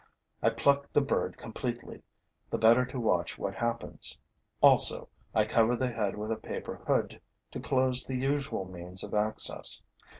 I pluck the bird completely, the better to watch what happens; also, I cover the head with a paper hood to close the usual means of access.